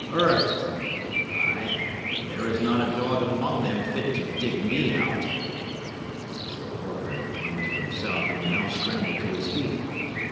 Earthed! Ay, but there is not a dog among them fit to dig me out." Sir Oliver had come to himself, and now scrambled to his feet.